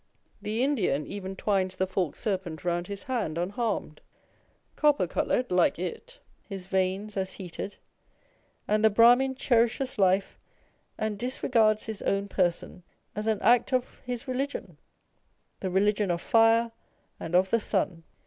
The Indian even twines the forked serpent round his hand unharmed, copper coloured like it, his veins as heated ; and the Brahmin cherishes life and disregards his own person as an act of his re ligionâ€"the religion of fire and of the sun!